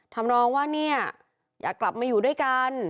ทำรองว่าอยากกลับมาอยู่ด้วยกัน